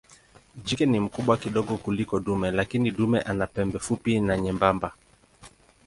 Jike ni mkubwa kidogo kuliko dume lakini dume ana pembe fupi na nyembamba.